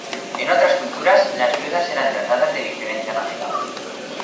En otras culturas, las viudas eran tratadas de diferente manera.